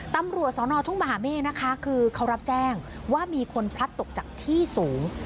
ตำรวจสนทุ่งบาหม่าเมฆรับแจ้งว่ามีคนพลัดตกจากที่สูง